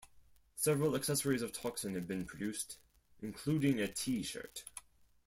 Several accessories of Toxin have been produced, including a T-shirt.